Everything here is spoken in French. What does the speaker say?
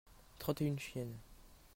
trente et une chiennes.